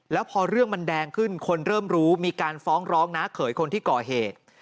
แล้วพอเรื่องมันแดงขึ้นคนเริ่มรู้มีการฟ้องร้องน้าเขยคนที่ก่อเหตุ